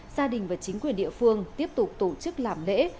gia đình và chính quyền địa phương tiếp tục tổ chức làm lễ